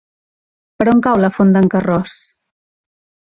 Per on cau la Font d'en Carròs?